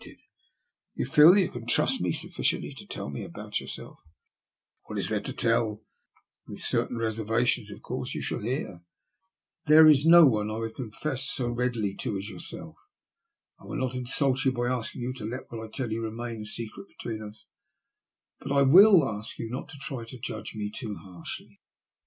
Do you feel that you can trust me sufficiently to tell me about yourself?" What there is to tell, with certain reservations, of course, you shall hear. There is no one to whom I THE WEECK OF THE "FIJI PRINCESS." 141 would confess so readily as to yourself. I will not insult you by asking you to let whstt I tell you remain a secret between us, but I wUl ask you to try not to judge me too harshly.